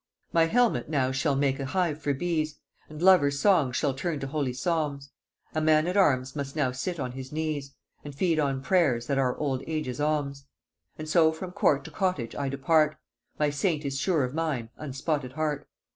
My helmet now shall make a hive for bees, And lovers songs shall turn to holy psalms; A man at arms must now sit on his knees, And feed on pray'rs that are old age's alms. And so from court to cottage I depart; My saint is sure of mine unspotted heart.